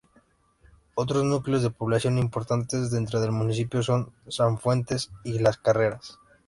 Otros núcleos de población importantes dentro del municipio son Sanfuentes y Las Carreras.